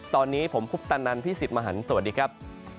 ตอนนี้ผมคุปตะนันพี่สิทธิ์มหันฯสวัสดีครับ